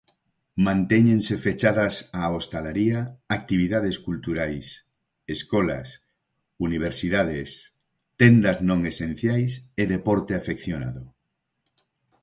Mantéñense fechadas a hostalaría, actividades culturais, escolas, universidades, tendas non esenciais e deporte afeccionado.